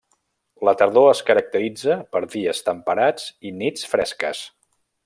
La tardor es caracteritza per dies temperats i nits fresques.